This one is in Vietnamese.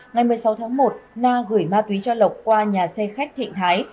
ngày một mươi sáu tháng một na gửi ma túy cho lộc qua nhà xe khách thịnh thái